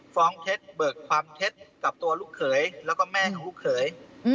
เท็จเบิกความเท็จกับตัวลูกเขยแล้วก็แม่ของลูกเขย